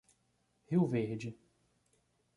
Rio Verde